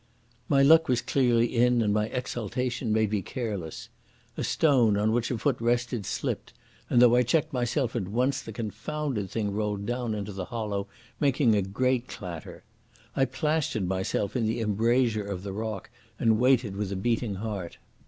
My luck was clearly in, and my exultation made me careless. A stone, on which a foot rested, slipped and though I checked myself at once, the confounded thing rolled down into the hollow, making a great clatter. I plastered myself in the embrasure of the rock and waited with a beating heart.